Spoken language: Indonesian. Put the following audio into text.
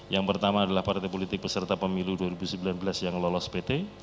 yang pertama adalah partai politik peserta pemilu dua ribu sembilan belas yang lolos pt